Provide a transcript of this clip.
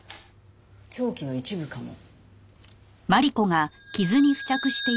凶器の一部かも。